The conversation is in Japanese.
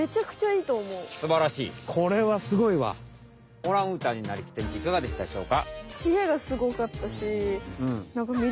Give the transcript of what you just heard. オランウータンになりきってみていかがでしたでしょうか？